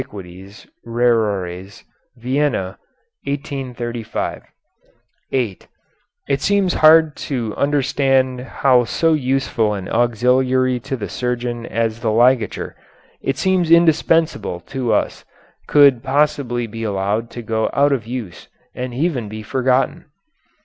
Rariores," Vienna, 1835.] [Footnote 8: It seems hard to understand how so useful an auxiliary to the surgeon as the ligature, it seems indispensable to us, could possibly be allowed to go out of use and even be forgotten.